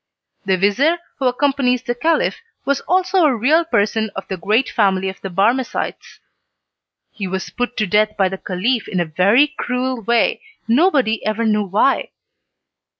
The vizir who accompanies the Caliph was also a real person of the great family of the Barmecides. He was put to death by the Caliph in a very cruel way, nobody ever knew why.